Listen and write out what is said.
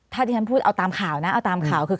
ถ้าที่ฉันพูดเอาตามข่าวนะเอาตามข่าวคือ